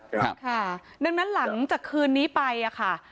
ครับค่ะดังนั้นหลังจากคืนนี้ไปอะค่ะ